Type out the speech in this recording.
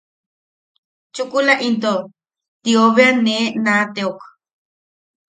Chukula into tio bea nee naʼateok.